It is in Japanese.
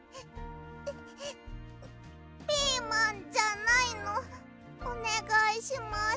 ピーマンじゃないのおねがいします。